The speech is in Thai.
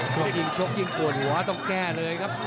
ยิ่งชกยิ่งปวดหัวต้องแก้เลยครับ